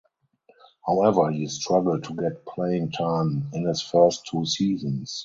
However he struggled to get playing time in his first two seasons.